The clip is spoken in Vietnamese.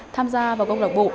tham gia vào câu lạc bộ